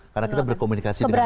karena kita berkomunikasi dengan baik